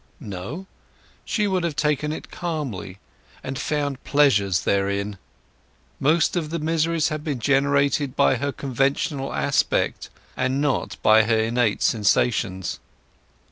No, she would have taken it calmly, and found pleasure therein. Most of the misery had been generated by her conventional aspect, and not by her innate sensations.